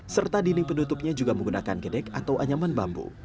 serta dini pendutupnya juga menggunakan gedek atau anyaman bambu